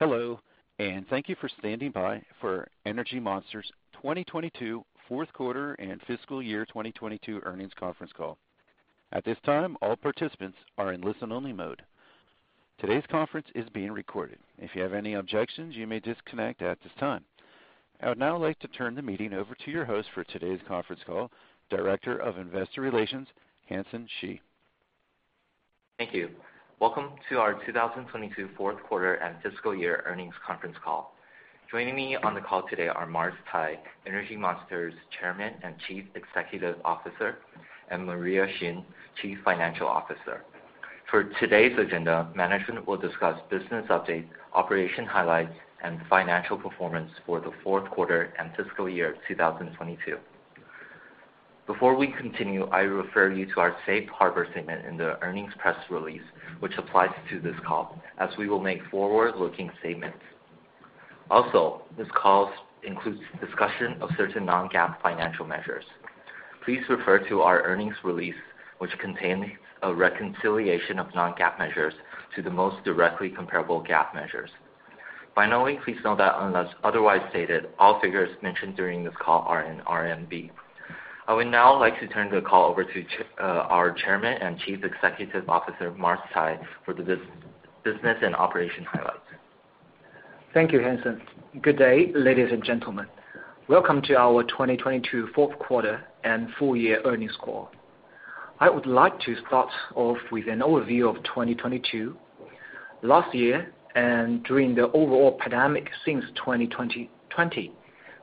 Hello, thank you for standing by for Energy Monster's 2022 fourth quarter and fiscal year 2022 earnings conference call. At this time, all participants are in listen-only mode. Today's conference is being recorded. If you have any objections, you may disconnect at this time. I would now like to turn the meeting over to your host for today's conference call, Director of Investor Relations, Hansen Shi. Thank you. Welcome to our 2022 fourth quarter and fiscal year earnings conference call. Joining me on the call today are Mars Cai, Energy Monster's Chairman and Chief Executive Officer, and Maria Xin, Chief Financial Officer. Today's agenda, management will discuss business update, operation highlights, and financial performance for the fourth quarter and fiscal year 2022. Before we continue, I refer you to our safe harbor segment in the earnings press release, which applies to this call, as we will make forward-looking statements. This call includes discussion of certain non-GAAP financial measures. Please refer to our earnings release, which contains a reconciliation of non-GAAP measures to the most directly comparable GAAP measures. Please note that unless otherwise stated, all figures mentioned during this call are in RMB. I would now like to turn the call over to our Chairman and Chief Executive Officer, Mars Cai, for the business and operation highlights. Thank you, Hansen. Good day, ladies and gentlemen. Welcome to our 2022 fourth quarter and full-year earnings call. I would like to start off with an overview of 2022. Last year, during the overall pandemic since 2020,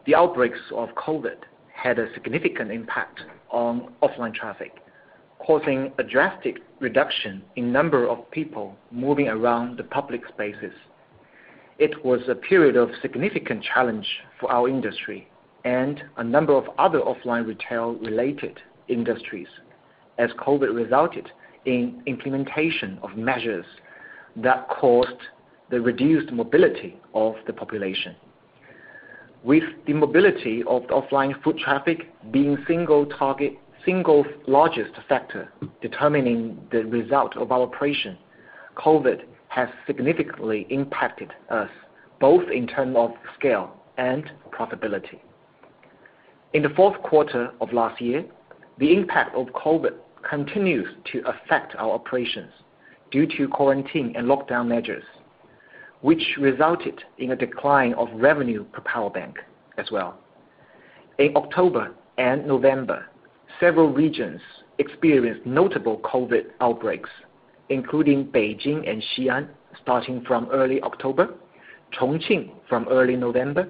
the outbreaks of COVID-19 had a significant impact on offline traffic, causing a drastic reduction in number of people moving around the public spaces. It was a period of significant challenge for our industry and a number of other offline retail-related industries as COVID-19 resulted in implementation of measures that caused the reduced mobility of the population. With the mobility of the offline foot traffic being single largest factor determining the result of our operation, COVID-19 has significantly impacted us, both in term of scale and profitability. In the fourth quarter of last year, the impact of COVID continues to affect our operations due to quarantine and lockdown measures, which resulted in a decline of revenue per power bank as well. In October and November, several regions experienced notable COVID outbreaks, including Beijing and Xi'an starting from early October, Chongqing from early November,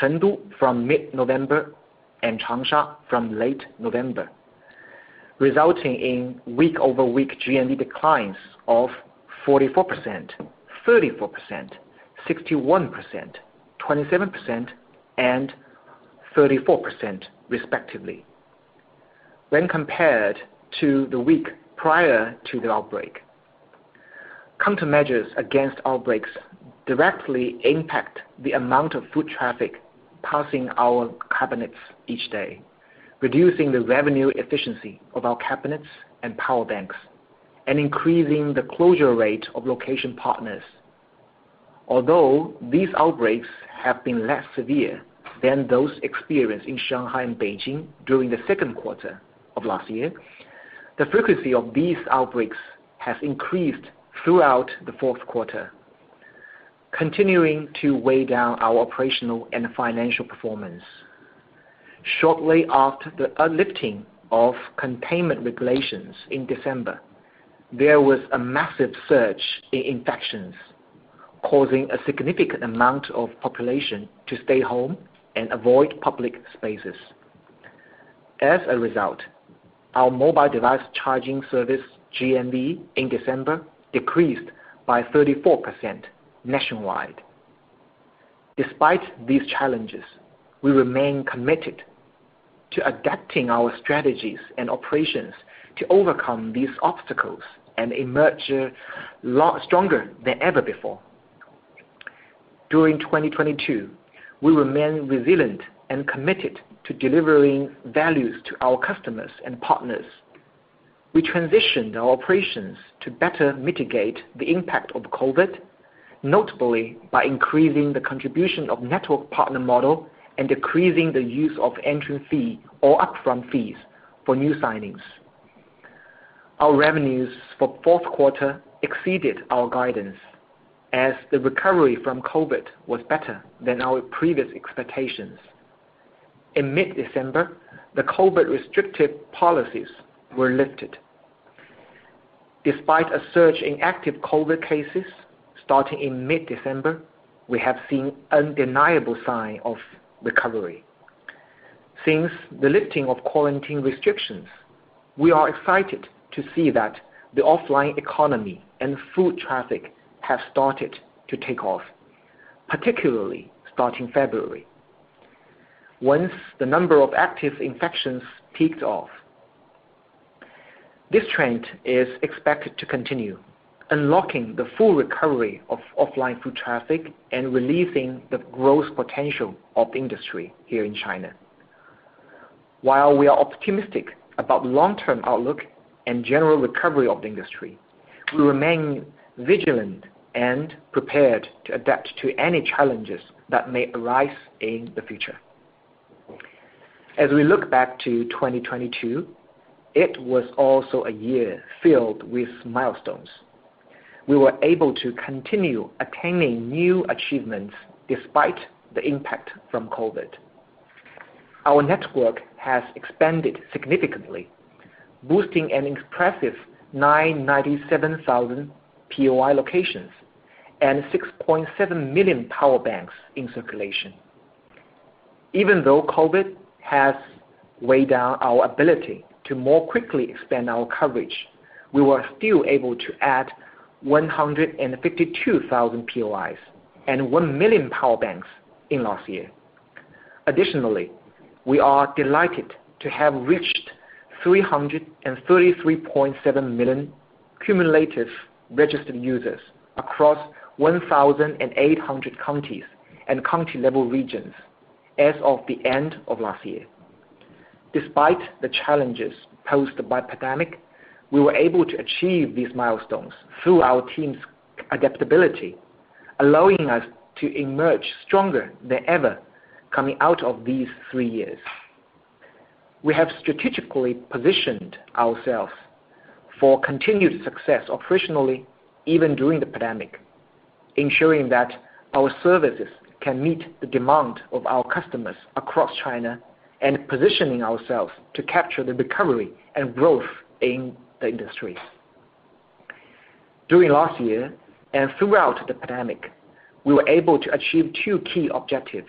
Chengdu from mid-November, and Changsha from late November, resulting in week-over-week GMV declines of 44%, 34%, 61%, 27%, and 34% respectively when compared to the week prior to the outbreak. Countermeasures against outbreaks directly impact the amount of foot traffic passing our cabinets each day, reducing the revenue efficiency of our cabinets and power banks and increasing the closure rate of location partners. Although these outbreaks have been less severe than those experienced in Shanghai and Beijing during the second quarter of last year, the frequency of these outbreaks has increased throughout the fourth quarter, continuing to weigh down our operational and financial performance. Shortly after the uplifting of containment regulations in December, there was a massive surge in infections, causing a significant amount of population to stay home and avoid public spaces. Our mobile device charging service GMV in December decreased by 34% nationwide. Despite these challenges, we remain committed to adapting our strategies and operations to overcome these obstacles and emerge a lot stronger than ever before. During 2022, we remained resilient and committed to delivering values to our customers and partners. We transitioned our operations to better mitigate the impact of COVID, notably by increasing the contribution of network partner model and decreasing the use of entry fee or upfront fees for new signings. Our revenues for fourth quarter exceeded our guidance as the recovery from COVID was better than our previous expectations. In mid-December, the COVID restrictive policies were lifted. Despite a surge in active COVID cases starting in mid-December, we have seen undeniable sign of recovery. Since the lifting of quarantine restrictions, we are excited to see that the offline economy and foot traffic have started to take off, particularly starting February, once the number of active infections peaked off. This trend is expected to continue unlocking the full recovery of offline foot traffic and releasing the growth potential of industry here in China. We are optimistic about long-term outlook and general recovery of the industry, we remain vigilant and prepared to adapt to any challenges that may arise in the future. We look back to 2022, it was also a year filled with milestones. We were able to continue attaining new achievements despite the impact from COVID-19. Our network has expanded significantly, boosting an impressive 997,000 POI locations and 6.7 million power banks in circulation. COVID-19 has weighed down our ability to more quickly expand our coverage, we were still able to add 152,000 POIs and one million power banks in last year. Additionally, we are delighted to have reached 333.7 million cumulative registered users across 1,800 counties and county-level regions as of the end of last year. Despite the challenges posed by pandemic, we were able to achieve these milestones through our team's adaptability, allowing us to emerge stronger than ever coming out of these three years. We have strategically positioned ourselves for continued success operationally even during the pandemic, ensuring that our services can meet the demand of our customers across China and positioning ourselves to capture the recovery and growth in the industries. During last year and throughout the pandemic, we were able to achieve two key objectives,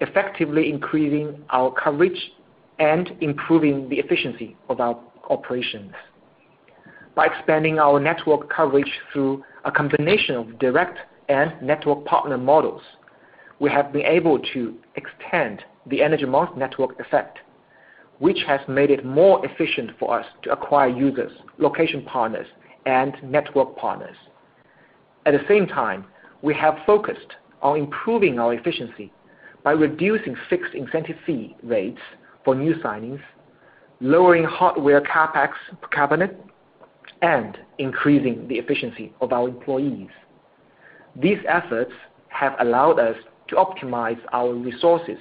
effectively increasing our coverage and improving the efficiency of our operations. By expanding our network coverage through a combination of direct and network partner models, we have been able to extend the Energy Monster network effect, which has made it more efficient for us to acquire users, location partners, and network partners. At the same time, we have focused on improving our efficiency by reducing fixed incentive fee rates for new signings, lowering hardware CapEx per cabinet, and increasing the efficiency of our employees. These efforts have allowed us to optimize our resources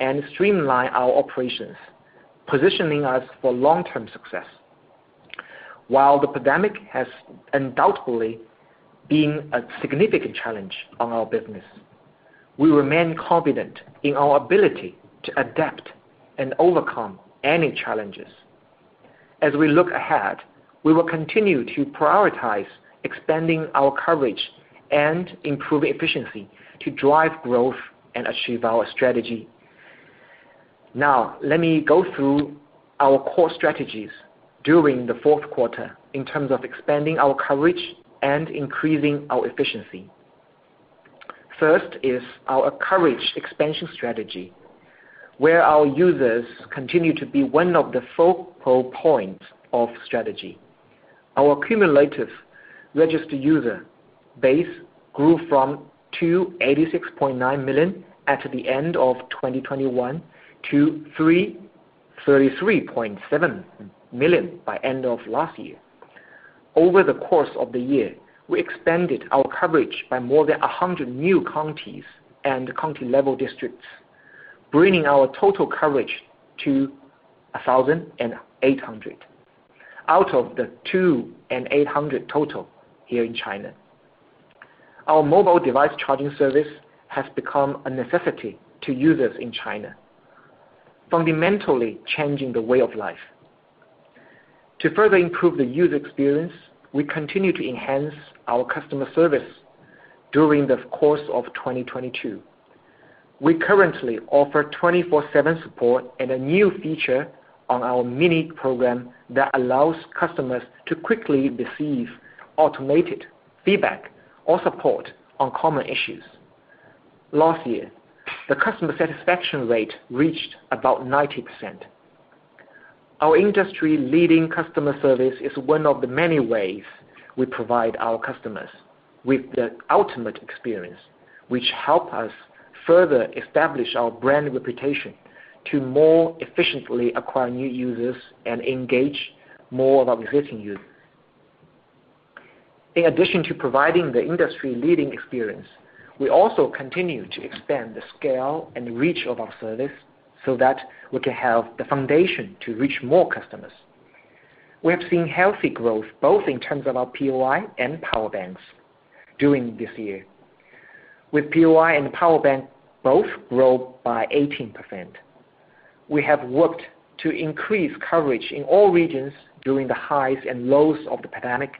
and streamline our operations, positioning us for long-term success. While the pandemic has undoubtedly been a significant challenge on our business, we remain confident in our ability to adapt and overcome any challenges. As we look ahead, we will continue to prioritize expanding our coverage and improve efficiency to drive growth and achieve our strategy. Now, let me go through our core strategies during the fourth quarter in terms of expanding our coverage and increasing our efficiency. First is our coverage expansion strategy, where our users continue to be one of the focal points of strategy. Our cumulative registered user base grew from 286.9 million at the end of 2021 to 333.7 million by end of last year. Over the course of the year, we expanded our coverage by more than 100 new counties and county-level districts, bringing our total coverage to 1,800 out of the 2,800 total here in China. Our mobile device charging service has become a necessity to users in China, fundamentally changing the way of life. To further improve the user experience, we continue to enhance our customer service during the course of 2022. We currently offer 24/7 support and a new feature on our mini program that allows customers to quickly receive automated feedback or support on common issues. Last year, the customer satisfaction rate reached about 90%. Our industry-leading customer service is one of the many ways we provide our customers with the ultimate experience, which help us further establish our brand reputation to more efficiently acquire new users and engage more of our existing users. In addition to providing the industry-leading experience, we also continue to expand the scale and reach of our service so that we can have the foundation to reach more customers. We have seen healthy growth, both in terms of our POI and power banks during this year. With POI and power bank both grow by 18%. We have worked to increase coverage in all regions during the highs and lows of the pandemic,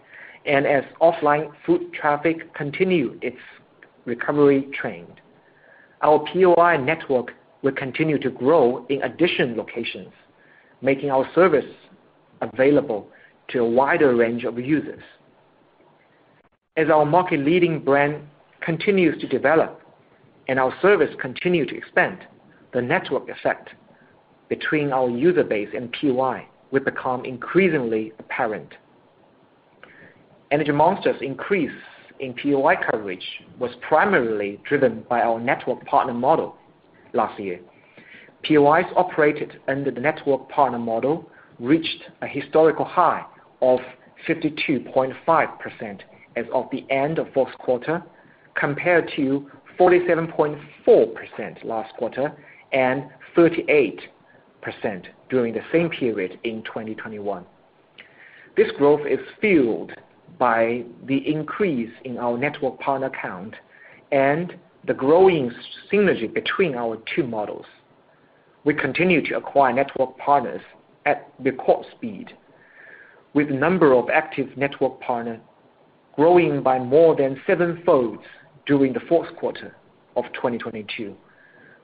and as offline foot traffic continue its recovery trend. Our POI network will continue to grow in addition locations, making our service available to a wider range of users. As our market-leading brand continues to develop and our service continue to expand, the network effect between our user base and POI will become increasingly apparent. Energy Monster's increase in POI coverage was primarily driven by our network partner model last year. POIs operated under the network partner model reached a historical high of 52.5% as of the end of fourth quarter, compared to 47.4% last quarter and 38% during the same period in 2021. This growth is fueled by the increase in our network partner count and the growing synergy between our two models. We continue to acquire network partners at record speed, with number of active network partner growing by more than seven folds during the fourth quarter of 2022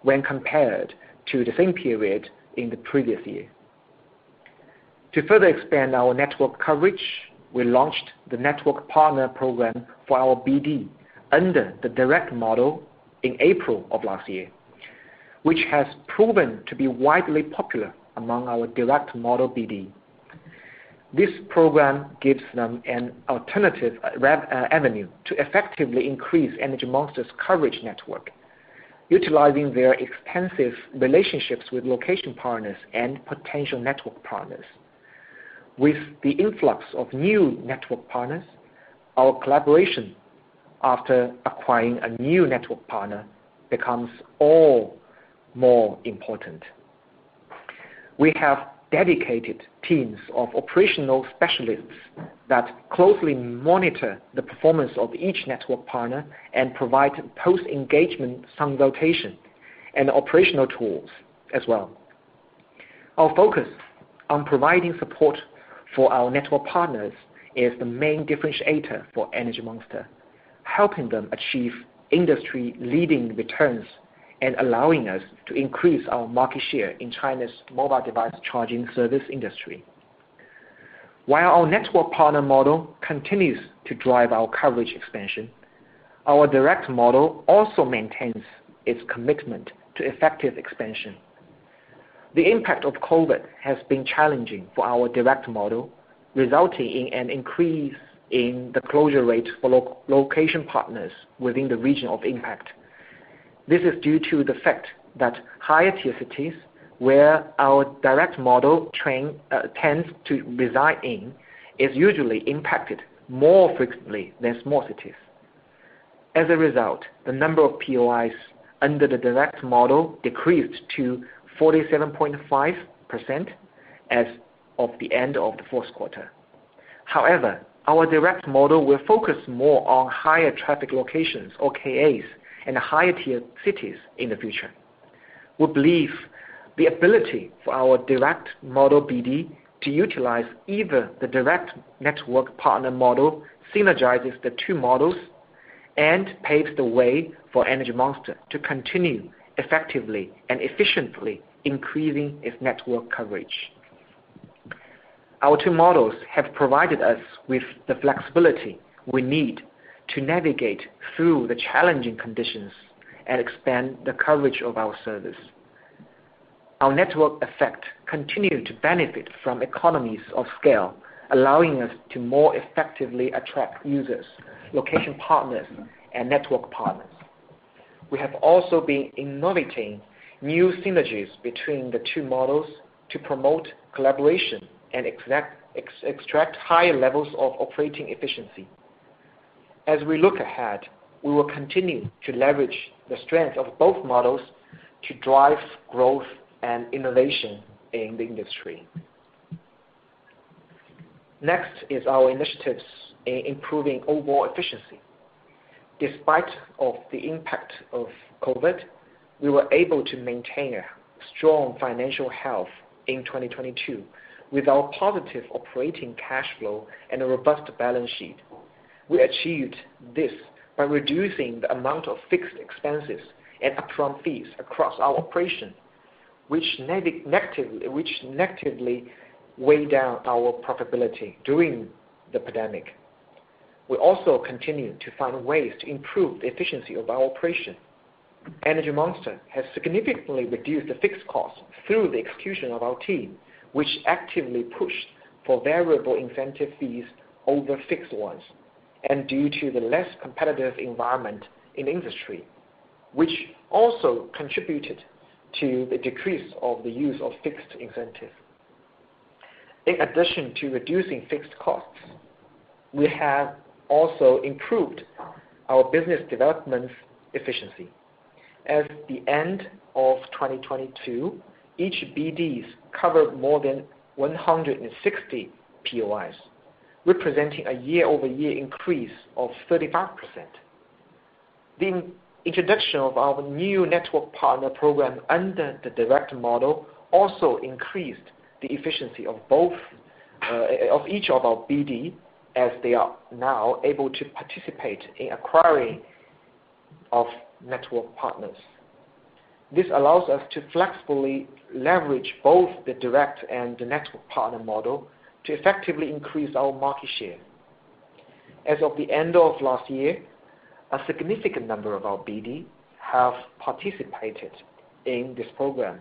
when compared to the same period in the previous year. To further expand our network coverage, we launched the network partner program for our BD under the direct model in April of last year, which has proven to be widely popular among our direct model BD. This program gives them an alternative avenue to effectively increase Energy Monster's coverage network, utilizing their extensive relationships with location partners and potential network partners. With the influx of new network partners, our collaboration after acquiring a new network partner becomes all more important. We have dedicated teams of operational specialists that closely monitor the performance of each network partner and provide post-engagement consultation and operational tools as well. Our focus on providing support for our network partners is the main differentiator for Energy Monster, helping them achieve industry-leading returns and allowing us to increase our market share in China's mobile device charging service industry. While our network partner model continues to drive our coverage expansion, our direct model also maintains its commitment to effective expansion. The impact of COVID-19 has been challenging for our direct model, resulting in an increase in the closure rate for location partners within the region of impact. This is due to the fact that higher tier cities, where our direct model tends to reside in, is usually impacted more frequently than small cities. As a result, the number of POIs under the direct model decreased to 47.5% as of the end of the fourth quarter. Our direct model will focus more on higher traffic locations or KAs in higher tier cities in the future. We believe the ability for our direct model BD to utilize either the direct network partner model synergizes the two models and paves the way for Energy Monster to continue effectively and efficiently increasing its network coverage. Our two models have provided us with the flexibility we need to navigate through the challenging conditions and expand the coverage of our service. Our network effect continue to benefit from economies of scale, allowing us to more effectively attract users, location partners, and network partners. We have also been innovating new synergies between the two models to promote collaboration and extract higher levels of operating efficiency. We look ahead, we will continue to leverage the strength of both models to drive growth and innovation in the industry. Next is our initiatives in improving overall efficiency. Despite of the impact of COVID-19, we were able to maintain a strong financial health in 2022, with our positive operating cash flow and a robust balance sheet. We achieved this by reducing the amount of fixed expenses and upfront fees across our operation, which negatively weighed down our profitability during the pandemic. We also continue to find ways to improve the efficiency of our operation. Energy Monster has significantly reduced the fixed costs through the execution of our team, which actively pushed for variable incentive fees over fixed ones, and due to the less competitive environment in the industry, which also contributed to the decrease of the use of fixed incentive. In addition to reducing fixed costs, we have also improved our business development efficiency. As the end of 2022, each BDs covered more than 160 POIs, representing a year-over-year increase of 35%. The introduction of our new network partner program under the direct model also increased the efficiency of each of our BD as they are now able to participate in acquiring of network partners. This allows us to flexibly leverage both the direct and the network partner model to effectively increase our market share. As of the end of last year, a significant number of our BD have participated in this program.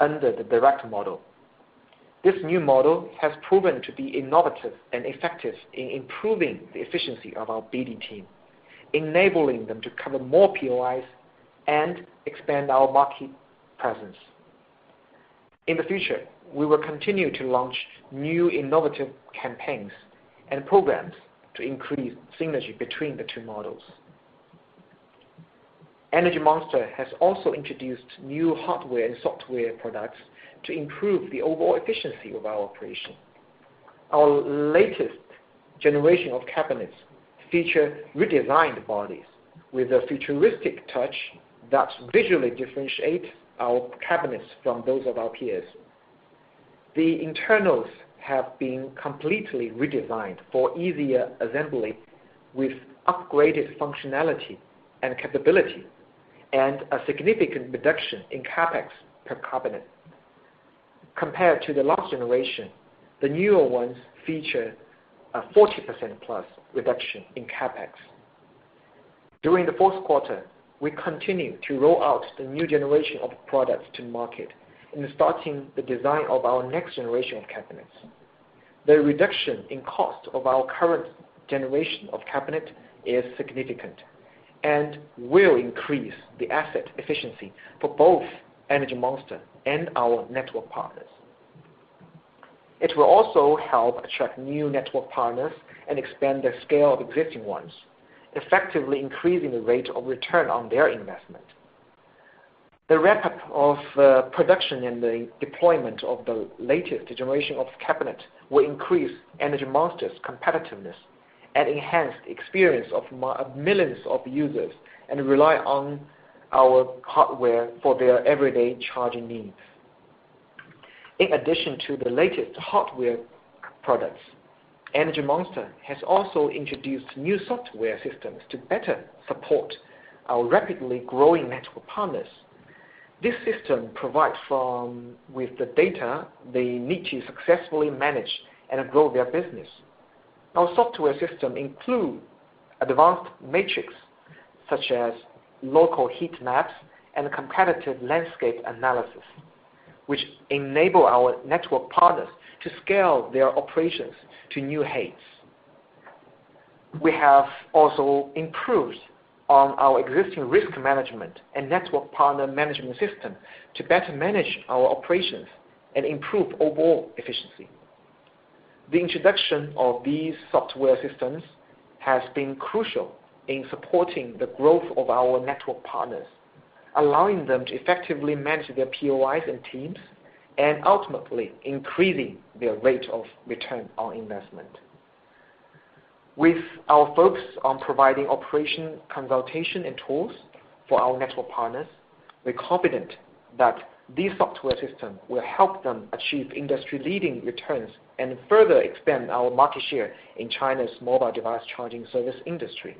Under the direct model. This new model has proven to be innovative and effective in improving the efficiency of our BD team, enabling them to cover more POIs and expand our market presence. In the future, we will continue to launch new innovative campaigns and programs to increase synergy between the two models. Energy Monster has also introduced new hardware and software products to improve the overall efficiency of our operation. Our latest generation of cabinets feature redesigned bodies with a futuristic touch that visually differentiate our cabinets from those of our peers. The internals have been completely redesigned for easier assembly with upgraded functionality and capability, and a significant reduction in CapEx per cabinet. Compared to the last generation, the newer ones feature a 40%+ reduction in CapEx. During the fourth quarter, we continued to roll out the new generation of products to market and starting the design of our next generation of cabinets. The reduction in cost of our current generation of cabinet is significant, and will increase the asset efficiency for both Energy Monster and our network partners. It will also help attract new network partners and expand the scale of existing ones, effectively increasing the rate of return on their investment. The ramp-up of production and the deployment of the latest generation of cabinet will increase Energy Monster's competitiveness and enhance the experience of millions of users, and rely on our hardware for their everyday charging needs. In addition to the latest hardware products, Energy Monster has also introduced new software systems to better support our rapidly growing network partners. This system provides with the data they need to successfully manage and grow their business. Our software system include advanced metrics such as local heat maps and competitive landscape analysis, which enable our network partners to scale their operations to new heights. We have also improved on our existing risk management and network partner management system to better manage our operations and improve overall efficiency. The introduction of these software systems has been crucial in supporting the growth of our network partners, allowing them to effectively manage their POIs and teams, and ultimately increasing their rate of return on investment. With our focus on providing operation consultation and tools for our network partners, we're confident that these software system will help them achieve industry-leading returns and further expand our market share in China's mobile device charging service industry.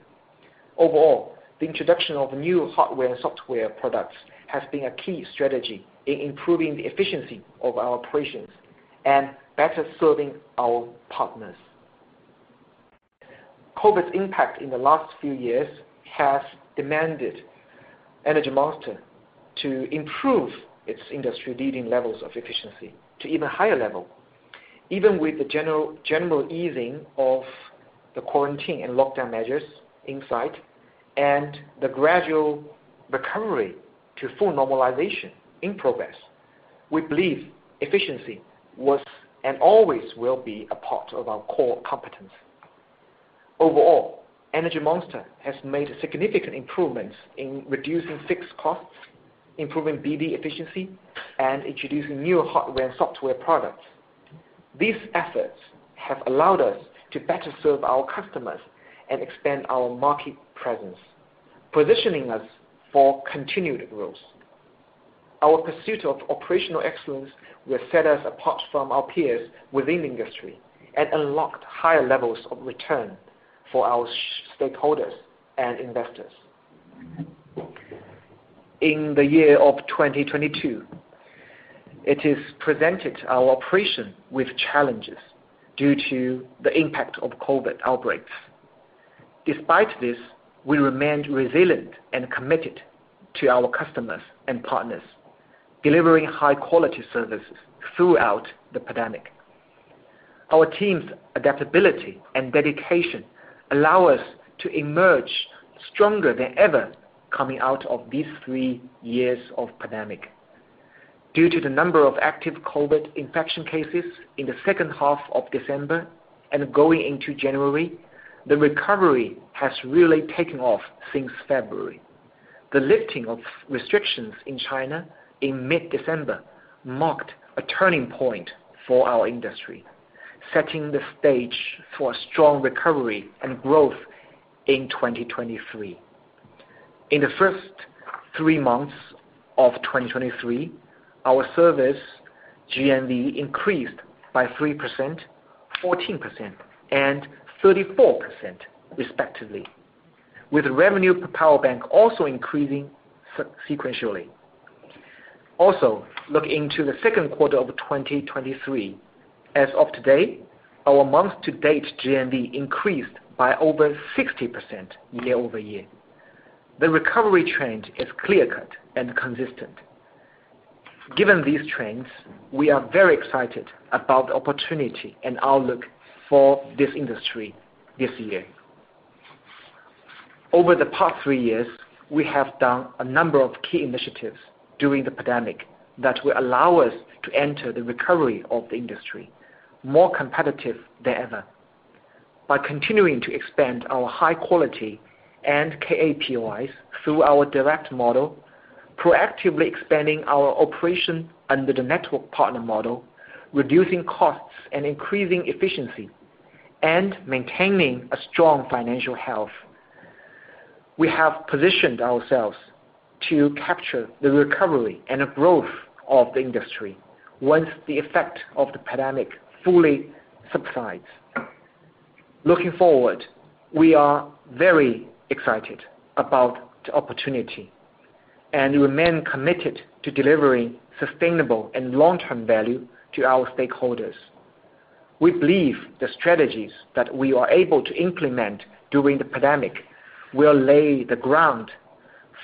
Overall, the introduction of new hardware and software products has been a key strategy in improving the efficiency of our operations and better serving our partners. COVID's impact in the last few years has demanded Energy Monster to improve its industry-leading levels of efficiency to even higher level. Even with the general easing of the quarantine and lockdown measures in sight, and the gradual recovery to full normalization in progress, we believe efficiency was and always will be a part of our core competence. Overall, Energy Monster has made significant improvements in reducing fixed costs, improving BD efficiency, and introducing new hardware and software products. These efforts have allowed us to better serve our customers and expand our market presence, positioning us for continued growth. Our pursuit of operational excellence will set us apart from our peers within the industry and unlocked higher levels of return for our stakeholders and investors. In the year of 2022, it has presented our operation with challenges due to the impact of COVID outbreaks. Despite this, we remained resilient and committed to our customers and partners, delivering high-quality services throughout the pandemic. Our team's adaptability and dedication allow us to emerge stronger than ever coming out of these three years of pandemic. Due to the number of active COVID-19 infection cases in the second half of December and going into January, the recovery has really taken off since February. The lifting of restrictions in China in mid-December marked a turning point for our industry, setting the stage for a strong recovery and growth in 2023. In the first three months of 2023, our service GMV increased by 3%, 14%, and 34% respectively, with revenue per power bank also increasing sequentially. Looking into the second quarter of 2023, as of today, our month-to-date GMV increased by over 60% year-over-year. The recovery trend is clear-cut and consistent. Given these trends, we are very excited about the opportunity and outlook for this industry this year. Over the past three years, we have done a number of key initiatives during the pandemic that will allow us to enter the recovery of the industry more competitive than ever. By continuing to expand our high quality and POIs through our direct model, proactively expanding our operation under the network partner model, reducing costs and increasing efficiency, and maintaining a strong financial health, we have positioned ourselves to capture the recovery and the growth of the industry once the effect of the pandemic fully subsides. Looking forward, we are very excited about the opportunity, and we remain committed to delivering sustainable and long-term value to our stakeholders. We believe the strategies that we are able to implement during the pandemic will lay the ground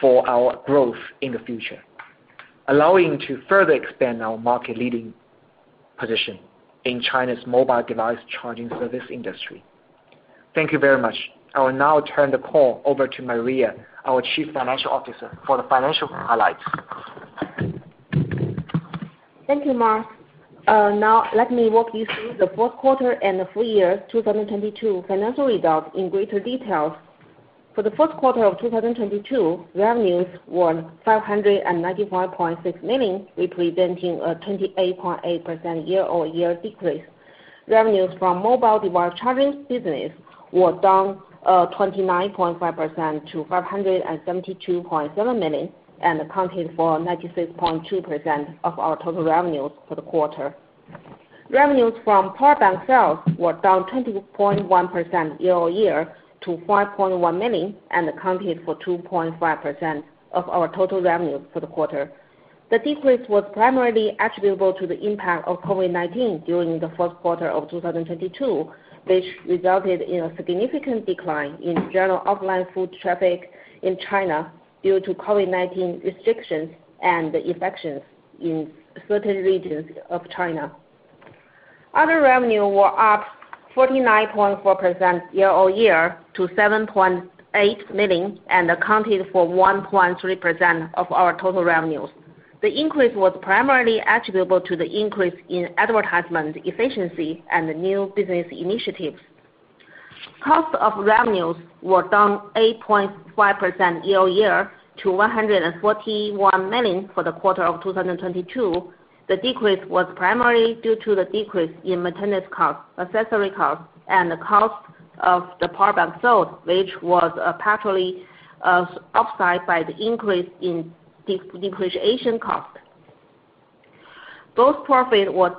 for our growth in the future, allowing to further expand our market-leading position in China's mobile device charging service industry. Thank you very much. I will now turn the call over to Maria, our Chief Financial Officer, for the financial highlights. Thank you, Mars. Now let me walk you through the fourth quarter and the full-year 2022 financial results in greater details. For the fourth quarter of 2022, revenues were 595.6 million, representing a 28.8% year-over-year decrease. Revenues from mobile device charging business were down 29.5% to 572.7 million and accounted for 96.2% of our total revenues for the quarter. Revenues from power bank sales were down 20.1% year-over-year to 5.1 million, and accounted for 2.5% of our total revenues for the quarter. The decrease was primarily attributable to the impact of COVID-19 during the first quarter of 2022, which resulted in a significant decline in general offline foot traffic in China due to COVID-19 restrictions and the infections in certain regions of China. Other revenue were up 49.4% year over year to 7.8 million and accounted for 1.3% of our total revenues. The increase was primarily attributable to the increase in advertisement efficiency and new business initiatives. Cost of revenues were down 8.5% year over year to 141 million for the quarter of 2022. The decrease was primarily due to the decrease in maintenance cost, accessory cost, and the cost of the power bank sold, which was partially upside by the increase in depreciation cost. Gross profit was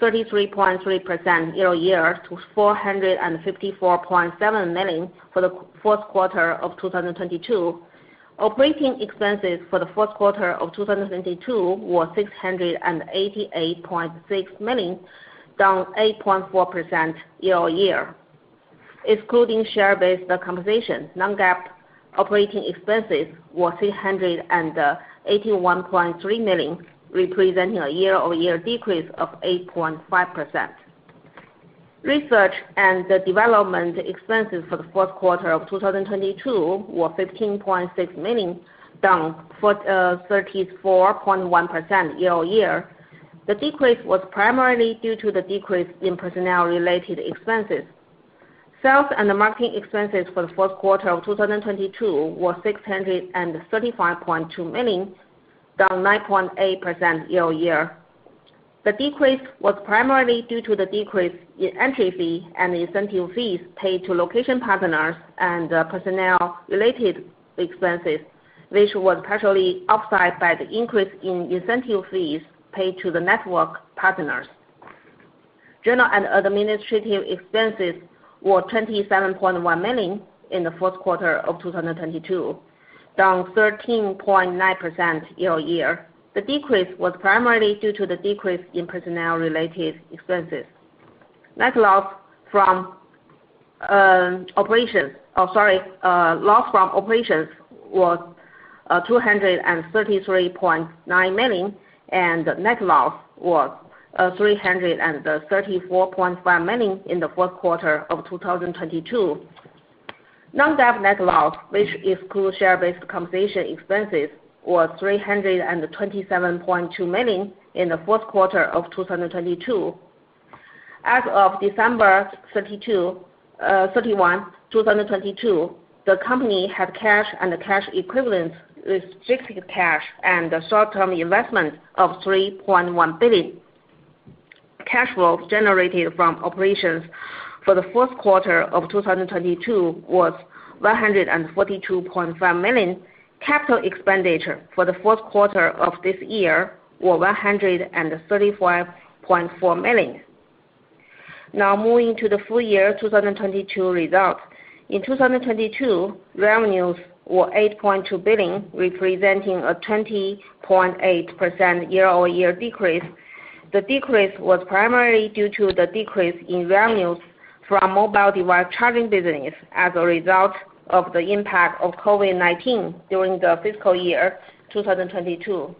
down 33.3% year-over-year to 454.7 million for the fourth quarter of 2022. Operating expenses for the fourth quarter of 2022 were 688.6 million, down 8.4% year-over-year. Excluding share-based compensation, non-GAAP operating expenses were 381.3 million, representing a year-over-year decrease of 8.5%. Research and development expenses for the fourth quarter of 2022 were 15.6 million, down for 34.1% year-over-year. The decrease was primarily due to the decrease in personnel-related expenses. Sales and marketing expenses for the fourth quarter of 2022 were 635.2 million, down 9.8% year-over-year. The decrease was primarily due to the decrease in entry fee and incentive fees paid to location partners and personnel-related expenses, which was partially offset by the increase in incentive fees paid to the network partners. General and administrative expenses were 27.1 million in the fourth quarter of 2022, down 13.9% year-over-year. The decrease was primarily due to the decrease in personnel-related expenses. Loss from operations was 233.9 million, and net loss was 334.5 million in the fourth quarter of 2022. Non-GAAP net loss, which exclude share-based compensation expenses, was 327.2 million in the fourth quarter of 2022. As of December 31, 2022, the company had cash and cash equivalents with restricted cash and short-term investments of 3.1 billion. Cash flow generated from operations for the fourth quarter of 2022 was 142.5 million. Capital expenditure for the fourth quarter of this year were 135.4 million. Moving to the full-year 2022 results. In 2022, revenues were 8.2 billion, representing a 20.8% year-over-year decrease. The decrease was primarily due to the decrease in revenues from mobile device charging business as a result of the impact of COVID-19 during the fiscal year 2022.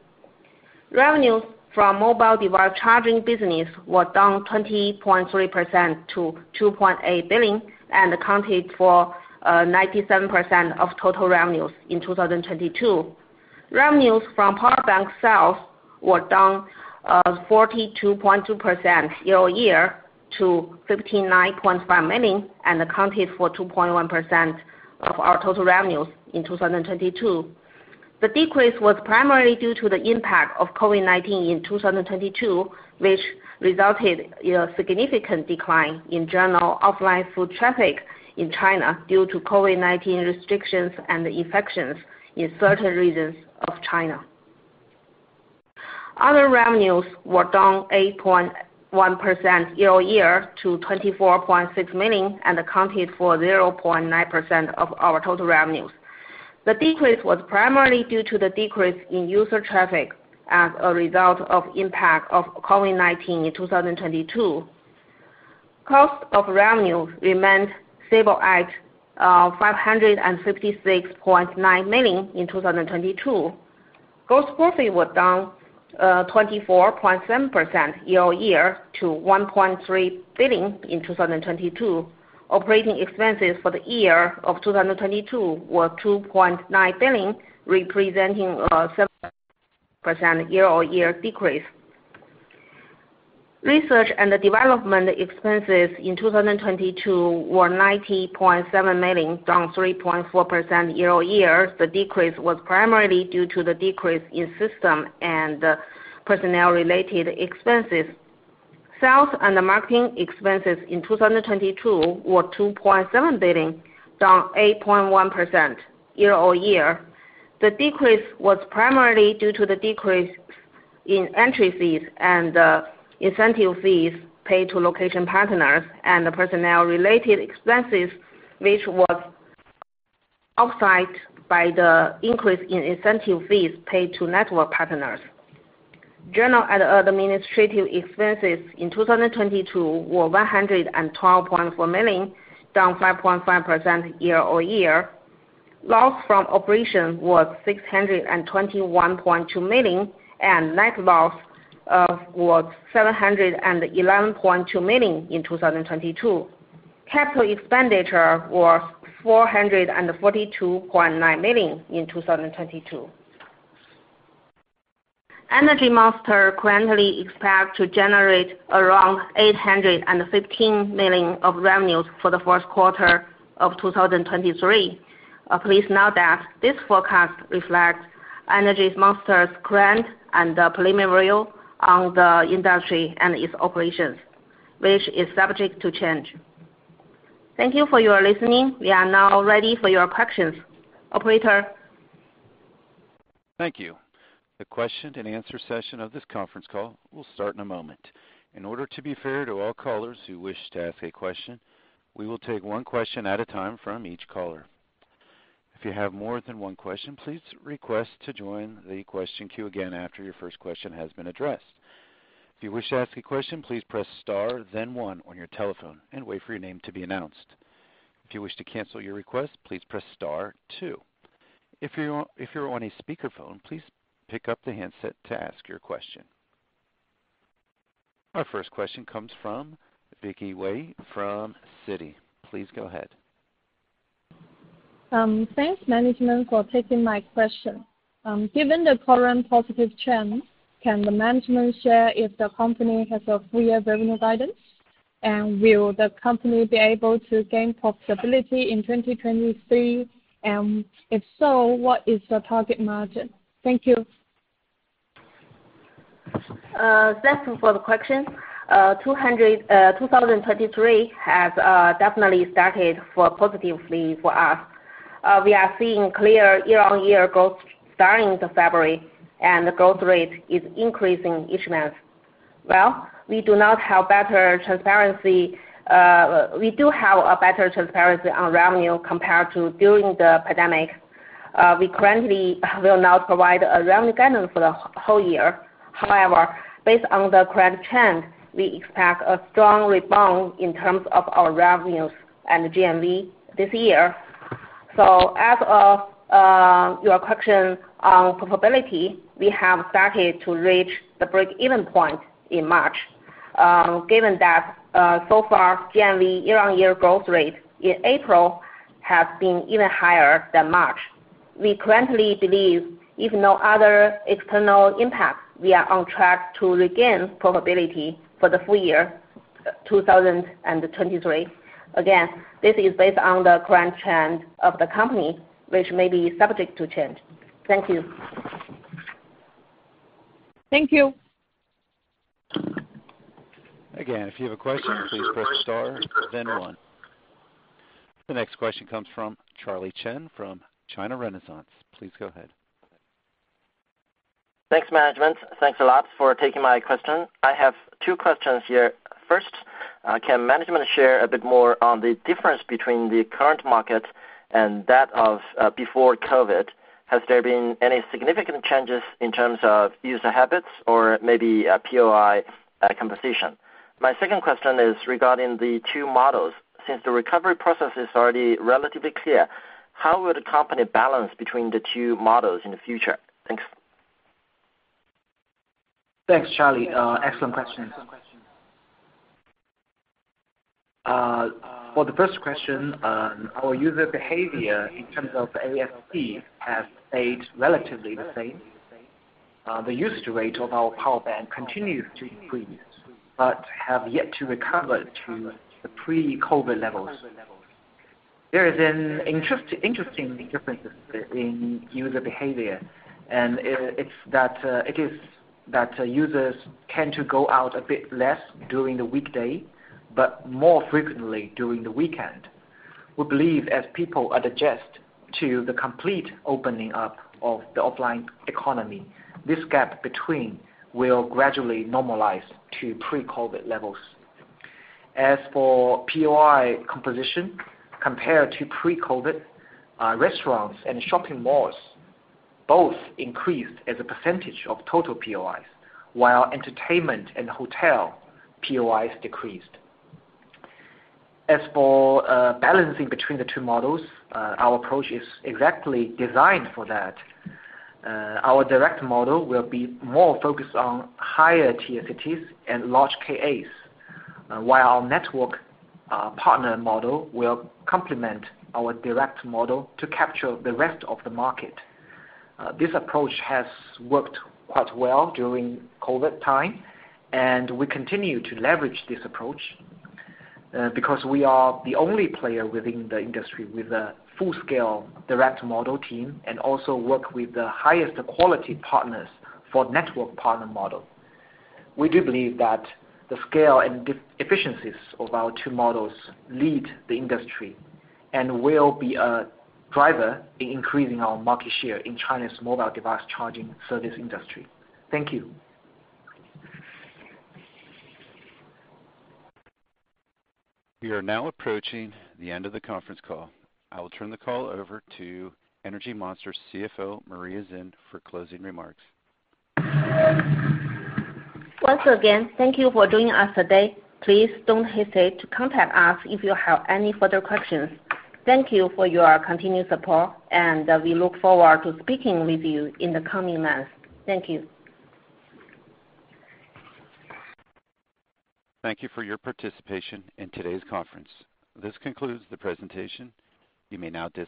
Revenues from mobile device charging business were down 20.3% to 2.8 billion, and accounted for 97% of total revenues in 2022. Revenues from power bank sales were down 42.2% year-on-year to 59.5 million, and accounted for 2.1% of our total revenues in 2022. The decrease was primarily due to the impact of COVID-19 in 2022, which resulted in a significant decline in general offline foot traffic in China due to COVID-19 restrictions and infections in certain regions of China. Other revenues were down 8.1% year-on-year to 24.6 million, and accounted for 0.9% of our total revenues. The decrease was primarily due to the decrease in user traffic as a result of impact of COVID-19 in 2022. Cost of revenue remained stable at 556.9 million in 2022. Gross profit was down 24.7% year-on-year to 1.3 billion in 2022. Operating expenses for the year of 2022 were 2.9 billion, representing a 7% year-on-year decrease. Research and development expenses in 2022 were 90.7 million, down 3.4% year-on-year. The decrease was primarily due to the decrease in system and personnel-related expenses. Sales and marketing expenses in 2022 were 2.7 billion, down 8.1% year-on-year. The decrease was primarily due to the decrease in entry fees and incentive fees paid to location partners and the personnel-related expenses, which was offset by the increase in incentive fees paid to network partners. General and administrative expenses in 2022 were 112.4 million, down 5.5% year-on-year. Loss from operation was 621.2 million, and net loss was 711.2 million in 2022. Capital expenditure was 442.9 million in 2022. Energy Monster currently expect to generate around 815 million of revenues for the first quarter of 2023.Please note that this forecast reflects Energy Monster's current and preliminary on the industry and its operations, which is subject to change. Thank you for your listening. We are now ready for your questions. Operator? Thank you. The question and answer session of this conference call will start in a moment. In order to be fair to all callers who wish to ask a question, we will take one question at a time from each caller. If you have more than one question, please request to join the question queue again after your first question has been addressed. If you wish to ask a question, please press star then one on your telephone and wait for your name to be announced. If you wish to cancel your request, please press star two. If you're on a speakerphone, please pick up the handset to ask your question. Our first question comes from Vicky Wei from Citi. Please go ahead. Thanks management for taking my question. Given the current positive trend, can the management share if the company has a full-year revenue guidance? Will the company be able to gain profitability in 2023? If so, what is the target margin? Thank you. Thank you for the question. 2023 has definitely started for positively for us. We are seeing clear year-on-year growth starting in February, and the growth rate is increasing each month. Well, we do not have better transparency. We do have a better transparency on revenue compared to during the pandemic. We currently will not provide a revenue guidance for the whole year. However, based on the current trend, we expect a strong rebound in terms of our revenues and GMV this year. As of your question on profitability, we have started to reach the break-even point in March. Given that, so far, GMV year-on-year growth rate in April has been even higher than March. We currently believe if no other external impacts, we are on track to regain profitability for the full-year 2023. This is based on the current trend of the company, which may be subject to change. Thank you. Thank you. Again, if you have a question, please press star then one. The next question comes from Charlie Chen from China Renaissance. Please go ahead. Thanks management. Thanks a lot for taking my question. I have two questions here. First, can management share a bit more on the difference between the current market and that of before COVID? Has there been any significant changes in terms of user habits or maybe a POI composition? My second question is regarding the two models. Since the recovery process is already relatively clear, how would the company balance between the two models in the future? Thanks. Thanks, Charlie. Excellent questions. For the first question, our user behavior in terms of ARPU has stayed relatively the same. The usage rate of our power bank continues to increase, but have yet to recover to the pre-COVID levels. There is an interesting difference in user behavior, and it is that users tend to go out a bit less during the weekday, but more frequently during the weekend. We believe as people adjust to the complete opening up of the offline economy, this gap between will gradually normalize to pre-COVID levels. As for POI composition, compared to pre-COVID, restaurants and shopping malls both increased as a percentage of total POIs, while entertainment and hotel POIs decreased. As for balancing between the two models, our approach is exactly designed for that. Our direct model will be more focused on higher tier cities and large KAs, while our network partner model will complement our direct model to capture the rest of the market. This approach has worked quite well during COVID time, and we continue to leverage this approach because we are the only player within the industry with a full-scale direct model team, and also work with the highest quality partners for network partner model. We do believe that the scale and efficiencies of our two models lead the industry and will be a driver in increasing our market share in China's mobile device charging service industry. Thank you. We are now approaching the end of the conference call. I will turn the call over to Energy Monster's CFO, Maria Xin, for closing remarks. Once again, thank you for joining us today. Please don't hesitate to contact us if you have any further questions. Thank you for your continued support. We look forward to speaking with you in the coming months. Thank you. Thank you for your participation in today's conference. This concludes the presentation. You may now disconnect.